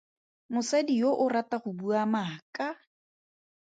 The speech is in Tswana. Mosadi yo o rata go bua maaka.